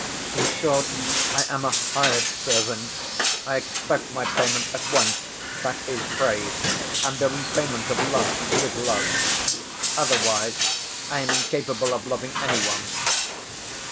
In short, I am a hired servant, I expect my payment at once—that is, praise, and the repayment of love with love. Otherwise I am incapable of loving any one."